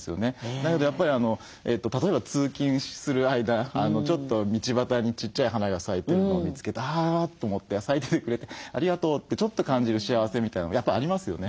だけどやっぱり例えば通勤する間ちょっと道端にちっちゃい花が咲いてるのを見つけてあと思って咲いててくれてありがとうってちょっと感じる幸せみたいなのもやっぱありますよね。